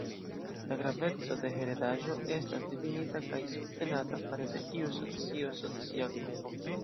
La graveco de heredaĵo estas difinita kaj subtenata fare de iu socio, socia grupo.